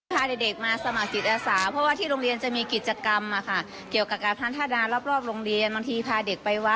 ทำอะไรได้บ้างนะคะ